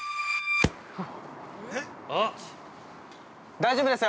◆大丈夫ですよ！